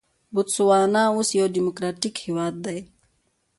بوتسوانا اوس یو ډیموکراټیک هېواد دی.